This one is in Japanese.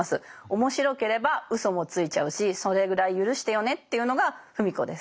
面白ければうそもついちゃうしそれぐらい許してよねというのが芙美子です。